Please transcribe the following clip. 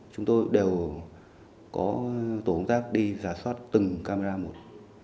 chúng tôi đều có tổ công tác đi giả soát từng camera một